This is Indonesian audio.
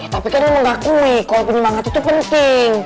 tapi kan emang ngakui kalau penyemangat itu penting